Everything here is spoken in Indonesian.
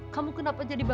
kamu kenapa jadi babak